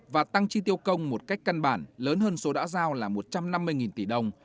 và tăng chi tiêu công một cách căn bản lớn hơn số đã giao là một trăm năm mươi tỷ đồng